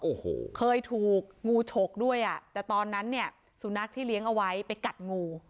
โอ้โหเคยถูกงูฉกด้วยอ่ะแต่ตอนนั้นเนี่ยสุนัขที่เลี้ยงเอาไว้ไปกัดงู